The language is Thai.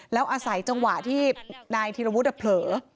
แล้วอาศัยจังหวะที่นายธีรวุฒิเผลอ